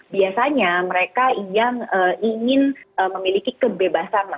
biasanya mereka yang ingin memiliki kebebasan